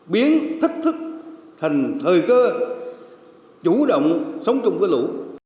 biến thách thức thành thời cơ chủ động sống chung với lũ